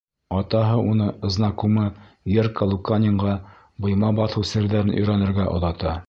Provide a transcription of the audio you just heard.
Атаһы уны знакумы Герка Луканинға быйма баҫыу серҙәрен өйрәнергә оҙата.